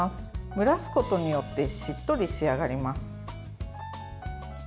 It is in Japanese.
蒸らすことによってしっとり仕上がります。